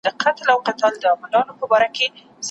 هم د پسونو هم د هوسیانو